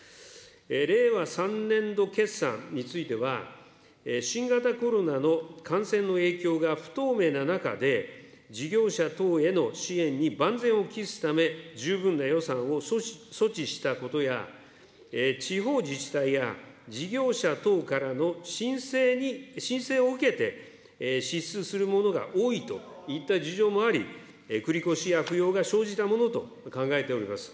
令和３年度決算については、新型コロナの感染の影響が不透明な中で、事業者等への支援に万全を期すため、十分な予算を措置したことや、地方自治体や事業者等からの申請を受けて、支出するものが多いといった事情もあり、繰り越しや不用が生じたものと考えております。